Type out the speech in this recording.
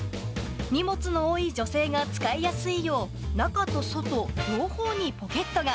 荷物の多い女性が使いやすいよう、中と外、両方にポケットが。